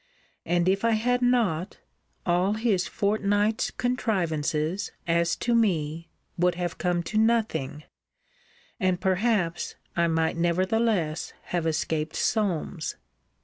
And if I had not, all his fortnight's contrivances, as to me, would have come to nothing; and, perhaps, I might nevertheless have escaped Solmes.